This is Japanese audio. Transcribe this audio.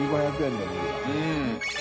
うん。